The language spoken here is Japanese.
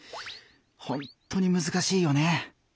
ほんっとにむずかしいよね。